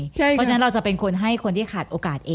เพราะฉะนั้นเราจะเป็นคนให้คนที่ขาดโอกาสเอง